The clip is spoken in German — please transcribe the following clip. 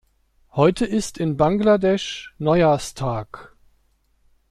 Heute ist in Bangladesch Neujahrstag.